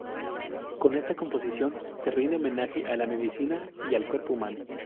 Con esta composición, se rinde homenaje a la medicina y al cuerpo humano.